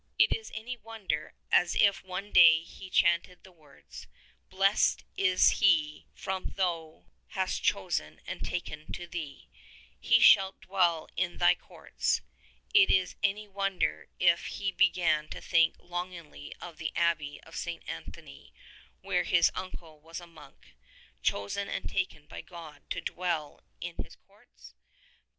Is it any wonder if as one day he chanted the words, Blessed is he zvhom Thou hast chosen and taken to Thee: He shall dzvell in Thy courts — is it any wonder if he began to think longingly of the Abbey of St. Antony where his uncle was a monk — chosen and taken by God to dwell in His courts?